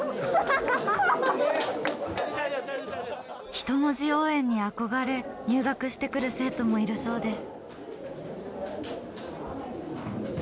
人文字応援に憧れ入学してくる生徒もいるそうです。